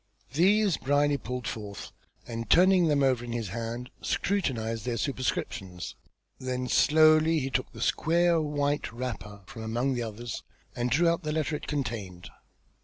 These Brierly pulled forth, and turning them over in his hand, scrutinised their superscriptions. Then slowly he took the square white wrapper from among the others, and drew out the letter it contained.